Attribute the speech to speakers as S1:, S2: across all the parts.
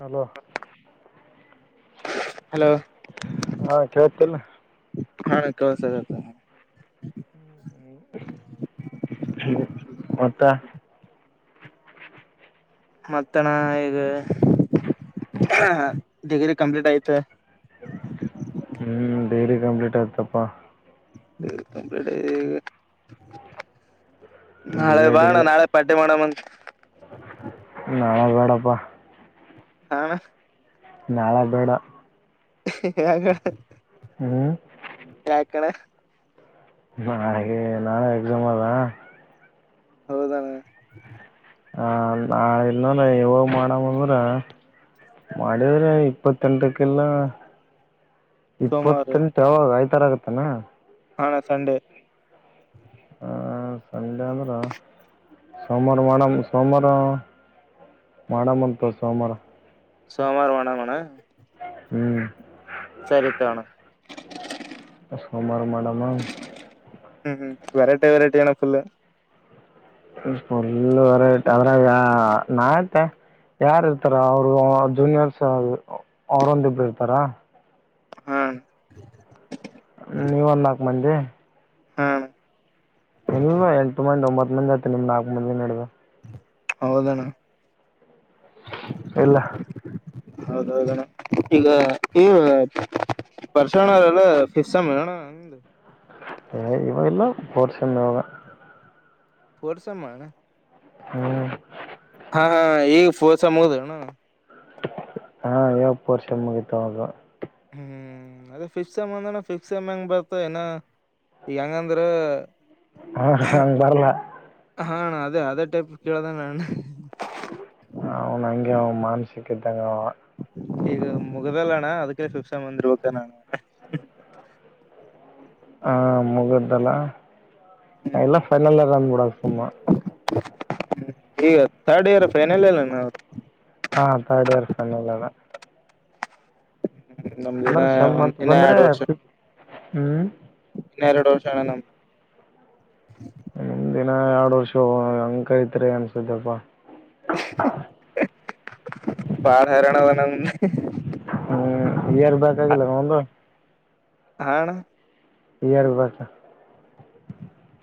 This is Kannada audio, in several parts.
S1: ಹಲೋ
S2: ಹಲೋ
S1: ಹಾ ಕೇಳ್ತೇನು?
S2: ಹಾ ಕೇಳ್ಸ್ತಾದೆ.
S1: ಮತ್ತು
S2: ಮತ್ತ ನಾ ಈಗ ಡಿಗ್ರಿ ಕಂಪ್ಲೀಟ್ ಆತೖ.
S1: ಹ್ಞೂ ಡಿಗ್ರಿ ಕಂಪ್ಲೀಟ್ ಆತಪ್ಪಾ.
S2: [unintelligible]
S1: ಬಿ
S2: ನಾಳೆ
S1: ಎಡ್
S2: ಬಾಣ
S1: ಇಲ್ಲ
S2: ನಾಳೆ ಪಾರ್ಟಿ ಮಾಡವಂತ.
S1: ನಾಳೆ ಬೇಡಪ್ಪಾ.
S2: ಹಾ ಣ
S1: ನಾಳೆ ಬೇಡ.
S2: ಯಾಕೆ
S1: ಹ್ಞೂ
S2: ಯಾಕಣ?
S1: ನಾಳ್ಗೆ ನಾಳೆ ಎಕ್ಸಾಮದಾ.
S2: ಹೌದಣ್ಣ
S1: ಹ ನಾಳೆ ಇಲ್ಲಂದ ಇವಾಗ ಮಾಡವ ಅಂದ್ರ ಮಾಡಿದ್ರೆ ಇಪ್ಪತ್ತೆಂಟಕ್ಕೆಲ್ಲ
S2: ಸೋಮವಾರ
S1: ಇಪ್ಪತ್ತೆಂಟು ಆಯ್ತ್ವಾರ ಆಗತ್ತನಾ?
S2: ಹ ಅಣ ಸಂಡೇ.
S1: ಆ ಸಂಡೆ ಅಂದ್ರೆ ಸೋಮಾರ್ ಮಾಡುಮ ಸೋಮಾರ ಮಾಡಮಂತು ತಗ್ ಸೋಮಾರ.
S2: ಸೋಮಾರ ಮಾಡಮಣ್ಣ.
S1: ಹ್ಮ್
S2: ಸರಿ ತೊಣ.
S1: ಸೋಮಾರ ಮಾಡಮ.
S2: ಹ್ಮ್ ಹ್ಮ್ ವೆರೈಟಿ ವೆರೈಟಿ ಅಣ್ಣ ಫುಲ್ಲು.
S1: [unintelligible] ಯಾರ್ ಇರ್ತಾರ ಅವರು ಜೂನಿಯರ್ಸ್ ಅವ್ರೊಂದ್ರಿಬ್ರ್ ಇರ್ತಾರ.
S2: ಹ್ಮ್
S1: ನೀವ ಒಂದ್ ನಾಕ್ ಮಂದಿ.
S2: ಹಾ ಅಣ.
S1: ನೀವ ಎಂಟು ಮಂದಿ ಒಂಬತ್ ಮಂದಿ ಆತಿ ನಿಮ್ ನಾಕು ಮಂದಿ ನಡ್ದ.
S2: ಹೌದಣ.
S1: ಇಲ್ಲ
S2: ಹೌದೌದಣ್ಣ ಈಗ ಈವ್ಗಾ. [unintelligible]
S1: ಹ ಇವಾಗಲ್ಲ ಬೋರ್ಷನ
S2: ಫೋರ್ತ್ ಸೆಮ್ ಅಣ.
S1: ಹ್ಮ್
S2: ಹಾ ಹಾ ಈಗ ಫೋರ್ತ್ ಸೆಮ್ ಮುಗದೇನು.
S1: ಹಾ ಈವಾಗ್ ಫೋರ್ ಸೆಮ್ ಮುಗಿತು ಹೌದು.
S2: ಹ್ಮ್ ಅದ ಫಿಫ್ತು ಸೆಮ್ ಅಂದ್ರ ಫಿಫ್ತು ಸೆಮ್ ಹೆಂಗ್ ಬರ್ತ ಏನ ಹೆಂಗಂದ್ರ.
S1: ಹ ಹಂಗ ಬರಲ್ಲ.
S2: ಹಾ ಅಣ್ಣ ಆದೇ ಅದೇ ಟೈಪ್ ಕೇಳ್ದೆ ನಾನು.
S1: ಅವನಂಗೆ ಅವ ಮಾನ್ಸಿಕ್ಕಿದಂಗವ.
S2: ಈಗ ಮುಗ್ದಲ್ಲ ಅಣ್ಣ ಅದಕ್ಕೆ ಟ್ಯೂಷನ್ ಬಂದಿರ್ಬಬೇಕಣ
S1: ಅ ಮುಗ್ದಲ್ಲ ಲ್ಲ ಫೈನಲ್ ಅದನ್ಬೂಡಾ ಸೋಮ್ಮ
S2: ಹ್ಮ ಈಗ ಥರ್ಡ್ ಇಯರ್ ಫೈನಲ್ ಎಲ್ಲ ನ ಅವರು
S1: ಹಾ ರ್ಡ್ ಇಯರ್ ಫೈನಲ್ ಅದ
S2: ನಮ್ದ
S1: ಅಂದ್ರ
S2: ಇನ್ನ
S1: ಶಮ
S2: ಒಂದ್
S1: ಅತ್
S2: ಇನ್ನ
S1: ಬಂದ್ರೆ
S2: ಎರಡು
S1: ಹ್ಮ್
S2: ಇನ್ನರಡು ವರ್ಷಣ ನಮ
S1: ಮುದಿನ ಎರಡ್ ವರ್ಷ ಅಂಕೈಐತ್ರಿ ಅನ್ಸುದಪ್ಪಾ
S2: ಬಾಳ ಹೇರ್ಯಣ ಅದ ಅಣ್ಣಾ ನಿಮ್ಮದು
S1: ಹ್ಮ್ ಕ್ಲಿಯರ್ ಬಾಕಾಗಿಲ್ಲ ನನ್
S2: ಹಾ ಅಣ್ಣಾ
S1: ಈ ಯಾರ [unintelligible] ಬಾಸ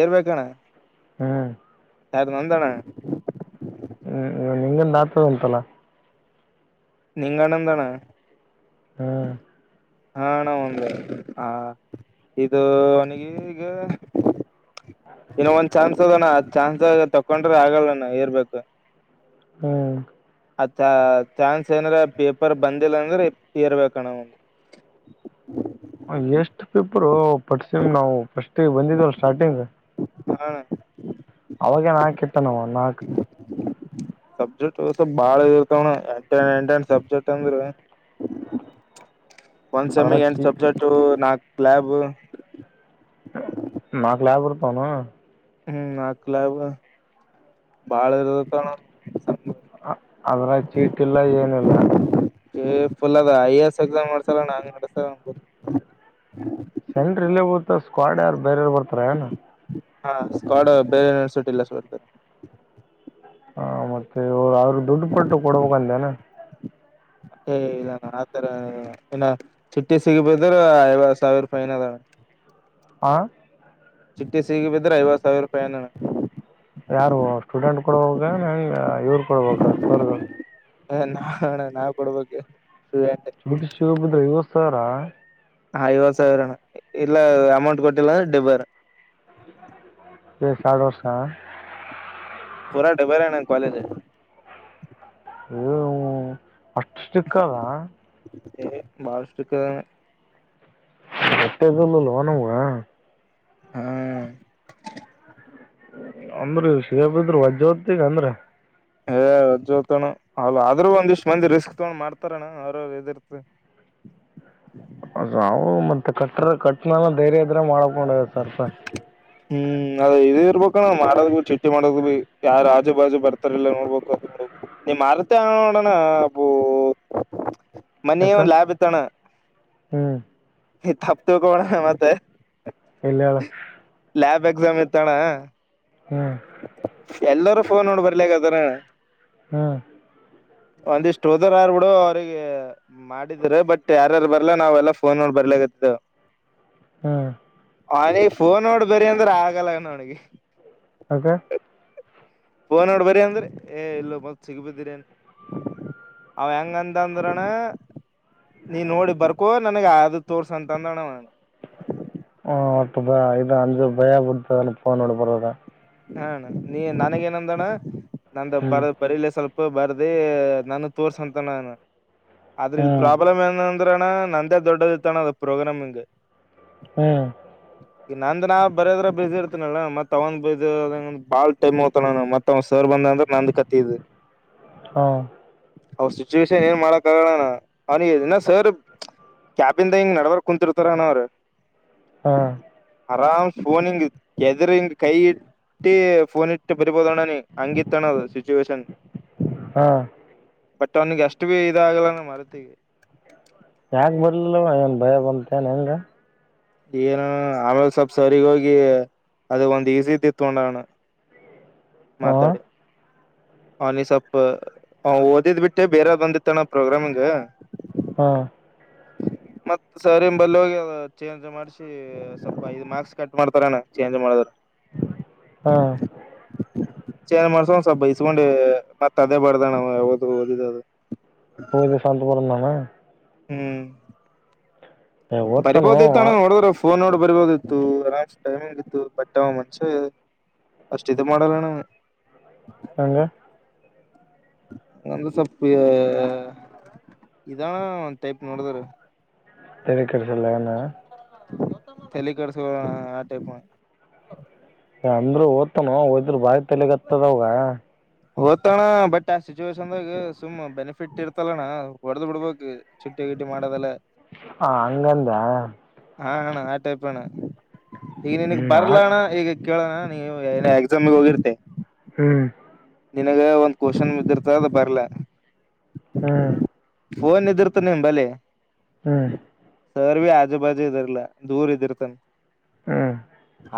S2: ಇರ್ಬೇಕಣ್ಣ
S1: ಹ್ಮ್
S2: ಸಾರ [unintelligible] ನಂತಾನ
S1: ಹ್ಮ್ ನಿಂಗಂದ ಆತದ ಉಂತಲ್ಲ
S2: ನಿಂಗಣ ಎಂದಣ
S1: ಹ್ಮ
S2: ಹಾ ನ ಒಂದ ಆ ಇದು ಅವನಿಗೆ ಈಗ ಇನ್ನು ಒಂದ್ ಚಾನ್ಸ್ ಅದಣ ಆ ಚಾನ್ಸ್ ತಕೊಂಡ್ರೆ ಆಗಲ್ಲಣ [unintelligible] ಏರ್ಬೇಕು
S1: ಹ್ಮ್
S2: ಅ ಚಾ ಚಾನ್ಸ್ ಏನ್ರ ಪೇಪರ್ ಬಂದಿಲ್ಲ ಅಂದ್ರೆ [unintelligible] ಇರ್ಬೇಕಣ ಒಂದು [inaudible]
S1: ಎಷ್ಟ್ ಪೇಪರು ಪಟ್ಸೀಮ ನಾವು ಫಸ್ಟ್ಗೆ ಬಂದಿದವಲ್ ಸ್ಟಾರ್ಟಿಂಗ್
S2: ಹ ಅಣ್ಣಾ
S1: ಅವಾಗ ನಾಕ ಇತ್ತ ನಮ್ಮ ನಾಲ್ಕು
S2: ಸಬ್ಜೆಕ್ಟ್ಸ ಬಾಳ ಇರ್ತವಣ ಎಂಟ [unintelligible] ಎಂಟ ಎ [unintelligible] ಸಬ್ಜೆಕ್ಟ್ ಅಂದ್ರ ಒಂದು
S1: ಅದ್ರ
S2: ಸೆಮಿಗೆ ಎಂಟು
S1: ಚಿ
S2: ಸಬ್ಜೆಕ್ಟ್ ನಾಲ್ಕು ಲ್ಯಾಬ್
S1: ನಾಕ ಲ್ಯಾಬ್ ಇರತಾವತಾನ
S2: ಹ್ಮ್ ನಾಕ ಲ್ಯಾಬ್ ಬಾಳ ಇರದಕಣ್ಣ
S1: ಅದ್ರಗ್ ಚೀಟ ಇಲ್ಲ ಏನಿಲ್ಲ
S2: ಫುಲ್ ಅದ ಐ ಎ ಎಸ್ ಎಕ್ಸಾಮ್ ಮಾಡಸಲ್ಲ ನಾ ನಡೆಸ ಅಬ
S1: ಸೆಂಟ್ರ ಇಲ್ಲೇತ ಸ್ಕ್ವಾಡ್ ಯಾರು ಬೇರ ಯಾರ ಬರ್ತಾರ ಏನ
S2: ಹಾ ಸ್ [unintelligible] ಕಾಡ ಬೇರೆನ್ಸಟ್ಟಿಲ್ಲ [unintelligible] ಸಡ್ತಾರೆ
S1: ಹಾ ಮತ್ತೆ ಅವರು ಆದ್ರರು ದುಡ್ಡು ಪಟ್ಟು ಕೊಡ್ಬೇಕಂದನಾ
S2: ಏ ಇಲ್ಲ ಆತರ ಇನ್ನು ಚುಟ್ಟಿ ಸಿಗಬದ್ರ ಐವತ್ತು ಸಾವಿರೂಪೈನ ಅದಾವಣ್ಣ [inaudible]
S1: ಆ
S2: ಚಿಟ್ಟಿ ಸಿಗ ಬಿದ್ರೆ ಐವತ್ತು ಸಾವಿರ ರೂಪಾಯಿ ಫೈನ್ ಅಣ್ಣ
S1: ಯಾರು ಸ್ಟೂಡೆಂಟ್ ಕೊಡ ಹ ಇವ್ರು ಕೊಡಬ ಸರ್ಗಳು
S2: ಹ ನಾಣ್ಣ ನಾವ ಕೊಡ್ಬೇಕ
S1: [unintelligible] ಸಿಕ್ಕಿಬಿದ್ರೆ ಐವತ್ತು ಸಾವ್ರ
S2: ಐವತ್ ಸಾವಿರಣ ಇಲ್ಲ ಅಮೌಂಟ್ ಕೊಟ್ಟಿಲ್ಲ ಅಂದ್ರೆ ಡಿಬ್ಬರ
S1: [unintelligible] ಎ [unintelligible] ಸಾಡು ವರ್ಷ
S2: ಪೂರ ಡಿಬರಣ ಕಾಲೇಜ್
S1: ಅಯ್ಯೋ [unintelligible] ಅಷ್ಟ ಸ್ಟ್ರಿಕ್ಕದಾ
S2: ಬಹಳಸ್ಟಿಕದಣ್ಣ
S1: ಗೊತ್ತಿದ್ದಲೊ ನಮಗೆ
S2: ಹ್ಮ್
S1: ಅಂದ್ರ ಸೇಗೆಬಿದ್ರ ವಜ್ಜ ಹೊತ್ತಗ ಅಂದ್ರ
S2: ಹಾ ಜ್ೋತಣ ಅ ಆದ್ರೂ ಒಂದಿಷ್ಟ್ ಮಂದಿ ರಿಸ್ಕ್ ತಗೊಂಡ್ ಮಾಡ್ತಾರಣ್ಣ ಅವ್ರಿರ್ತ
S1: ನಾವು ಮತ್ತೆ ಕಟ್ರ ಕಟ್ನ ಧೈರ್ಯದ್ರ ಮಾಡಕೊಂಡದ ಸರ್ಸ
S2: ಹ್ಮ್ ಅದ ಇದು ಇರ್ಬೇಕಣ ಮಾಡೋದ್ ಭ ಚಿಟ್ಟಿ ಮಾಡದ್ ಭೀ ಯಾರ ರಾಜು ಬಾಜು ಬರ್ತಾರಲ್ಲಾ ನೋಡ್ಬಬೇಕ ನಿಮ್ಮ್ ಮರತ ನೋಡೋಣ ಅಬ ಮನ
S1: ಯಾಕ
S2: ಒಂದ ಲಯಾಬ್ ಇತ್ತಣ್ಣ
S1: ಹ್ಮ್
S2: ಈ ತಪ್ ತಕೋಣ ಮತ್ತೆ
S1: ಇಲ್ಲಳ
S2: ಆಬ್ ಎಕ್ಸಾಮ್ ಎತ್ತಣ
S1: ಹ್ಮ್
S2: ಫೋನ್ ನೋಡ್ ಬರ್ಲಿಕ್ಕದಾರ
S1: ಹ್ಮ್
S2: ಒಂದಿಷ್ಟ್ ಹೋದರ್ ಯಾರ್ ಬಿಡು ಅವ್ರಿಗೆ ಮಾಡಿದ್ರ ಬಟ್ ಯಾರ್ಯಾರು ಬರ್ಲಾ ನಾವ್ೆಲ್ಲ ಫೋನ್ ನೋಡ್ಬ ಬರ್ಲಾಗತ್ತದು
S1: ಹ್ಮ್
S2: ಅವನ ಫೋನ್ ನೋಡ್ ಬರರಿ ಅಂದ್ರೆ ಆಗಲ್ಲ ನೋಡಿಗೆ
S1: ಕೆ
S2: ಫೋನ್ ನೋಡ್ ಬರಿ ಅಂದ್ರೆ ಏ ಇಲ್ಲ ಮತ್ ಸಿಗಬಿದ್ದಿರಿ ಏನ್ ಅವ ಹೆಂಗಂತ ಅಂದ್ರನ ನೀ ನೋಡಿ ಬರ್ಕೊ ನನ್ಗ ಅ ತೋರ್ಸ ಅಂತ ಅಂದಣ ನನ
S1: ಹ ಅಪ್ಪದಾ ಇದ ಅಂಜು ಭಯಾ ಕೊತ ನೋಡ ಪರದ
S2: ಹ್ಣ ನೀ ನನಗೇಏನಂದೋಣ್ಣ ನಂದ
S1: ಹ್ಮ್
S2: ಬರ ಬರಿೀಲಿ ಸ್ವಲ್ಪ ಬರ್ದಿ ನಾನ ತೋರ್ಸಂತ ನು ಆದ್ರ ಇಲ್
S1: ಹ್ಮ್
S2: ಪ್ರಾಬ್ಲಮ್ ಏನ ನಂದೇ ದೊಡ್ಡದ ತಾನ ಅ ಪರೋಗ್ರಾಮಗೆ
S1: ಹ್ಮ್
S2: ಈ ನಂದ ನಾ ಬರ್ಯದ್ರ ಬಜಿ ಇರ್ತನಲ್ಲಾ ಮತ್ ಅವಂದ ಬಜಿದಂಗ ಬಾಳ್ ಟೈಮ್ ಹಗತ ನಾನ ಮತ್ ಸೋರ್ ಬಂದ ಅಂತ ನಂದು ಕತ್ತಿದ
S1: ಹಾಂ
S2: ಅವ್ರ ಸಿಚುವೇಶನ್ ಏನ್ ಮಾಡಕ ಆಗೋಣ ಅವನಿಗೆನ್ನ ಸರ್ ಕ್ಯಾಬಂದ ಹಿಂಗ್ ನಡವರ್ ಕುಂತಿರ್ತಾರನ ಅವ್ರರು
S1: ಹಾಂ
S2: ಆರಾಮ್ ಫೋನಿಂಗ ಗದರಿಂಗ್ ಕೈ ೀ ಫೋನ್ ಇಟ್ಟು ಬರಿಬೋದೋಣಿ ಹಂಗಿತ್ತಣ ಸಿಚುುವೇೇಶನ್
S1: ಹಾ
S2: ಬಟ್ ಅವನಿಗೆ ಅಷ್ಟ ಭೀ ಇದಾಗಲ್ಲಾನ ಮರ್ತೀವಿ
S1: ಯಾಕ ಬರ್ಲಿಲ್ಲವ ಏನ್ ಭಯ ಬಂತ ಏನ್ ಹೆಂಗ
S2: ಏನ ಆಮೇಾಗ ಸ್ವಲ್ಪ್ ಸರಿಗ ಹೋಗಿ ಅದ ಒಂದ್ ಈಸಿ ಇದ ಇತ್ಕೊಂಡಣ್ಣ
S1: ಹಾಂ
S2: ಮಾತಾಡ ಹ ನೀಿಸಪ್ ಓದಿದ್ ಬಿಟ್ಟೆ ಬೇರೆ ಬಂದಿತ್ತಣ್ಣ ಪ್ರೋಗ್ರಾಮಿಂಗ
S1: ಹಾ
S2: ಹ ಮತ್ತತ್ ಸರಿ ಬಲ್ ಹೋಗಿ ಚೇಂಜ್ ಮಾಡ್ಸಿ ಸ್ವಲ್ಪ ಐದು್ ಮಾರ್ಕ್ಸ್ ಕಟ್ ಮಾಡ್ತಾರನ ಚೇಂಜ್ ಮಾಡಿದ್ರ
S1: ಹಾಂ
S2: ಚಾರ ಮಾಡರ್ಸ ಸ ಬೈಸ್ಕೊಂಡೆ ಮತ್ ಅದೇ ಬರ್ದನ್ ನವು ಯಾವದು ಓದಿದ ಅದು
S1: ಹದ ಶಾಂತಪರಣ
S2: ಹ್ಮ್
S1: ಏ ಓದ್ತಾನೋ
S2: ಬರಬೋದ ಐತಣ ನೋಡುದ್ರ ಫೋನ್ ನೋಡ ಬರ್ಬೋದಿತ್ತು ಆರಾಮ್ ಟೈಮಿಂಗ್ ಇತ್ತು ಬಟ್ಟ ಅವ ಮಂಷೆ ಸ್ಟ್ ಇದು ಮಾಡೋಡಲಣ
S1: ಹಗೆ
S2: ದ ಸಪ್ಪ ಇದಾನ ಒ ಟೈಪ್ ನೋಡದರು
S1: ತರಿಕಡೆಸಲ್ಲಣ
S2: ತಲ್ಲಿ ಕಡಸುಣ ಆ ಟೈಪ್
S1: ಅಂದ್ರು ಓದ್ತಾನ ನೊ ಓದಿದ್ರಾ ಬಾರಿ ತಲೆಗ್ ಆತದ ಅವಾಗ
S2: ಓದ್ತಣ್ಣ ಬಟ್ ಆ ಸಿಚುವೇೇಶನ್ದಾಗ ಸುಮ್ ಬೆನಿಫಿಟ್ ಇರ್ತಲ್ಲಣ್ಣ ಹೊಡೆದ್ ಬಿಡ್ಬಕ್ ಚುಟ್ಟಿ ಸಿಇಟಿ ಮಾಡೋದಲ್ಲ
S1: ಹಾ- ಹಂಗಂತ
S2: ಹಾ- ಅಣ್ಣ ಆ ಟೈಪ್ ಅಣ್ಣ ಈಗ ನಿನಗ್
S1: ಹ್ಞೂ
S2: ಬರ್ಲ
S1: ಆಯ್ತು
S2: ಅಣ್ಣ ಈಗ ಕೇಳೋಣ ನೀವು ಏನ ಎಕ್ಸಾಮಿಗೆ ಹೋಗಿರ್ತೆ.
S1: ಹ್ಮ್
S2: ನಿನಗ ಒಂದ್ ಕ್ವಶನ್ ಬಿದಿರ್ತ ಅದ ಬರ್ಲ.
S1: ಹ್ಮ್
S2: ಫೋನ್ ಇದಿರ್ತ ನಿಮ ಬಲಿ.
S1: ಹ್ಮ್
S2: ಸರ್- ಭ-ಆಜು ಬಾಜು ಇದರ್ಲಾ ದೂರ್ ಇದಿರ್ತನ್.
S1: ಹ್ಞೂ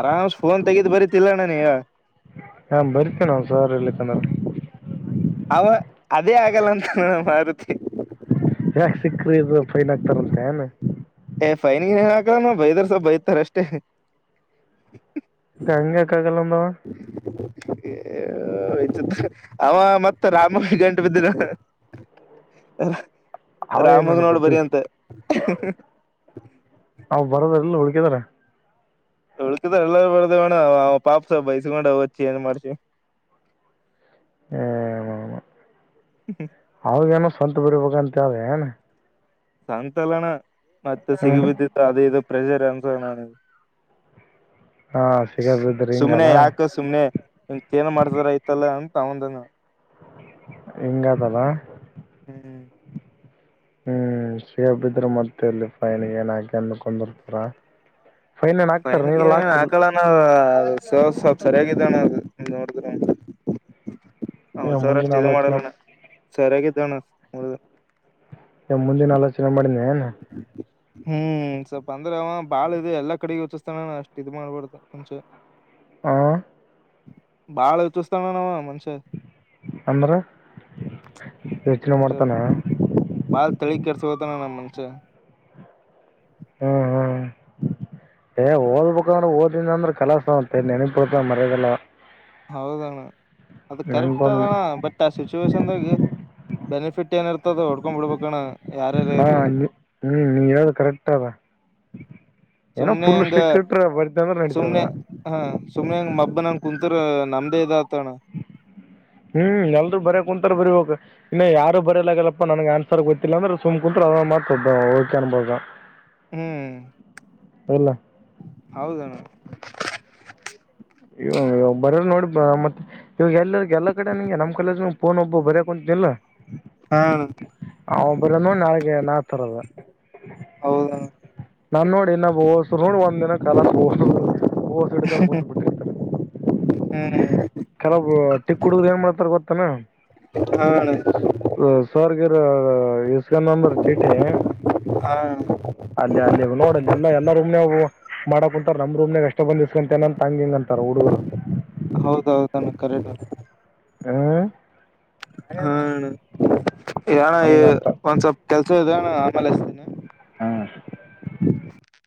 S2: ಆರಾಮ್ಸ ಫೋನ್ ತೆಗದ್ ಬರಿತಿಲ್ಲಣನ ಈಗ.
S1: ಹಾ- ಬರಿತೇ ನಾ ಸಾರ್ ಎಲ್ಲಿ ತಂದ್ರ.
S2: ಅವ ಅದೇ ಆಗಲ್ಲ ಅಂತ ನಾನ ಮಾರುತಿ.
S1: ಯಾಕ ಸಿಕ್ಕ್ರ- ಇ- ಫೈನ್ ಆಗ್ತಾರಂತೆ ಏನ್.
S2: ಏ -ಫೈನ್ನ್ ಏನ್ ಹಾಕದಮ್ಮ ಬೈದರ್ ಸ್ವ ಬೈತಾರೆ ಅಷ್ಟೇ.
S1: ಇತ್ತ ಅಂಗಕ್ಕಾಗಲ್ಲಂದಾವ.
S2: ಏ -ಇತ ಅವ ಮತ್ತ ರಾಮ ಗಂಟು ಬಿದ್ದಿನ.
S1: ಅವ ಏನು
S2: ರಾಮಗ
S1: ನನಗೆ
S2: ನೋಡು ಬರಿ
S1: ಗೊತ್ತಿದೆ
S2: ಅಂತೆ.
S1: ಅವು ಬರದಿಲ್ಎಲ್ಲ ಹುಳ್ಕಿದ [unintelligible]
S2: ಉಳ್ಕಿದ ಎಲ್ಲಾರ ಬರ್ದಿವಣ್ಣ ಅವ ಪಾಪಸ ಬೈಸ್ಕೊಂಡಚ್ಚಿ ಏನ್ ಮಾಡ್ಸಿ. ಹ [inaudible]
S1: ಹ
S2: ಹ್ಮ- ಹ್ಮ್
S1: ಅವಾಗೆನೋ ಸ್ವಂತ ಬರ್ಬೇಕ ಅಂತೆ ಏನ್.
S2: ಸಂತಲನ ಮತ್ತೆ ಸಿಗಿ
S1: ಹ್ಞೂ
S2: ಬಿದ್ದಿದ್ದ ಅದೇ ಇ- ಪ್ರೆಜರ್ ಅನುಸ ನದು.
S1: ಹಾ ಸಿಗರ್ ಬಿದ್ರ
S2: ಸುಮ್ನೆ
S1: ಹಿಂಗಲ್ಲ
S2: ಯಾಕ ಸುಮ್ನೆ ಇಂತ ಏನ್ ಮಾಡ್ತಾರಯತಲ್ಲ ಅ- ತೌಂದನ.
S1: ಇಂಗಾದಲ್ಲ.
S2: ಹ್ಮ್
S1: ಹ್ಮ್ -ಸೇಬಿದ್ರೆ ಮತ್ತೆ ಇಲ್ಲಿ ಫೈನ್ ಗಿನ್ ಅಂದಕಂದಿರ್ತರ.
S2: ಪೈನಿ ಗಿನ್ ಆಕಳ ನ ಸ್ವಲ್ಪ್ ಸರಿಯಾಗಿದ್ದಣ್ಣದು. ಮಾಡ ಸರ್ [unintelligible]
S1: ಮುಂದಿನ
S2: ಅಷ್ಟು ಇದ
S1: ಆಲೋಚನೆ
S2: ಮಾಡಲ್ಲಣ ಸರಯಾಗಿ ಎತ್ತಣ್ಣ ಅವ್
S1: ಮುಂದಿನ ಆಲೋಚನೆ ಮಾಡಿದ್ನಾ.
S2: ಹ್ಮ್ -ಸ್ವಲ್ಪ ಅಂದ್ರೆ ಅವ ಬಾಳ- ಇ ಎಲ್ಲಾ ಕಡೆಗ ಹಚ್ಸ್ತಾನ ಅಷ್ಟ್ ಇದ್ ಮಾಡ್ಬಾರಡ್ದ ಮುಂಚೆ.
S1: ಹ
S2: ಬಾಳ ವಿಚ್ಚಿಸ್ತಣ್ಣ ನಾವ ಮನ್ಷ.
S1: ಅಂದ್ರ ಯೋಚನೆ ಮಾಡ್ತಾನೆ.
S2: ಯು- ತಳ ಕರೆಸ- ನಾ ಮುಂಚೆ.
S1: ಹ್ಮ್- ಹ್ಮ್
S2: [inaudible]
S1: ಏ- ಓದ್ಬೇಕಂದ್ರೆ ಓದಿಂದ ಅಂದ್ರ ಕಲಸತ್ ನೆನಪ ಬಿಡ್ತ ಮರ್ಯದೆಲ್ಲ.
S2: ಹೌದಣ್ಣ ಅದು ಕರೆಕ್ಟ್ ಅದಣ್ಣ ಬಟ್- ಆ- ಸಿಚುವೇಶನ್ದಾಗ. ಬೆನಿಫಿಟ್ ಏನಿರ್ತದ ಹೊಡ್ಕೊಂಡ್ ಬಿಡ್ಬೇಕಣ್ಣ. ಯಾರ್ಯಾರ ಇರ್ಲಿ
S1: ಹಾ- ನೀ- ನೀ ಯಾವ್ದ ಕರೆಕ್ದಾ. ಏನೋ
S2: ಸುಮ್ನೆ
S1: ಫುಲ್
S2: ಹಂಗ
S1: ಸ್ಟ್ರಿಕ್ಟ್ ಬರ್ತ ಅಂದ್ರೆ ನಡತದ.
S2: ಸುಮ್ಮನೆಂಗೆ ಮಬ್ಬ ನಂಗೆ ಕುಂತರು ನಮ್ದೇ ಇದ. ಆತಣ
S1: ಹ್ಮ್ -ಎಲ್ ಬರ ಕುಂತಾರ ಬರಿಬೇಕ. ಇನ್ನು ಯಾರು ಬರಯಲಾಗಲ್ಲಪ್ಪಾ ನನ್ಗೆ ಆನ್ಸರ್ ಗೊತ್ತಿಲ್ಲಂದ್ರೆ ಸುಮ್ ಕುಂತ್ರು ಅದ ಮಾತೊಡ್ ಓಕೆ ಅನ್ಬೂದು.
S2: ಹ್ಮ್
S1: ಇಲ್ಲ
S2: ಹೌದಣ
S1: ಇವ ಇವಾಗ ಬರೋ ನೋಡಿ ಮತ್ತತ್ ಇವಾಗ ಎಲ್ಲ ಎಲ್ಲಾ ಕಡೆ ನಂಗೆ ನಮ್ ಕಲಜ ಪೋನ್ ಒಬ್ಬ ಬರಯಕ್ ಕುಂತನಲ್.
S2: ಹಾ
S1: ಅವಬರ ನಾಳೆಗೆ ನಾ ತರದ.
S2: ಹೌದಣ
S1: ನಾನ್ ನೋಡಿ ಇನ್ನ ಹೋಸ ನೋ ಒಂದ ದಿನ ಕಲ ಹ [unintelligible] ಹಡ್ಕೊಂಡು ಕುತ್ಬಿಟ್ಟು.
S2: ಹ್ಮ್
S1: ಕೆಲವಬ್ರ್ ಟಕ್ ಹುಡುಗ್ರ ಏನ್ ಮಾಡತಾರ ಗೊತ್ತಾನ
S2: ಹಾ ಅಣ್ಣ
S1: ಸಗ ಇಸ್ಗಾ ನಂಬರ್ ಚೀಟಿ
S2: ಹಾ
S1: ಅಲ್ಲ ಅಲ್ಲಿ ನೋಡಲ್ಲಿ ಎಲ್ಲ ಎಲ್ಲಾರೂಮ್ ನವು ಮಾಡಕ್ ಕುಂತಾರ ನಮ್ ರೂಮ್ನಾಗ ಅಷ್ಟ ಬಂದಸ್ಕೊಂತ ನ ತಂಗ ಹಿಂಗ ಅಂತಾರ ಹುಡುಗರು.
S2: ನಮ್ ಕಬೇಕ.
S1: ಹ್ಮ
S2: ಹ್ಮ್ ಣ ಯನ
S1: ಹಂಗಂತ
S2: ಒಂದ್ ಸ್ವಲ್ಪ ಕೆಲ್ಸ ಇದೆ. ಹಾ ಆಮಲಿಸ್ತೀನ.
S1: ಹಾ